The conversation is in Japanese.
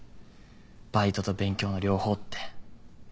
バイトと勉強の両方って。